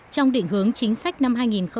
trong định hướng chính sách năm hai nghìn một mươi tám